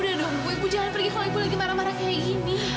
udah dong ibu jangan pergi kalau ibu lagi marah marah kayak gini